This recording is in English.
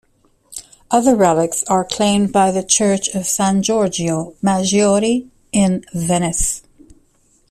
Other relics are claimed by the Church of San Giorgio Maggiore in Venice.